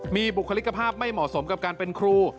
มีบุคลิกภาพไม่เหมาะสมกับการเป็นครู